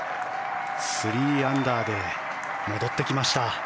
３アンダーで戻ってきました。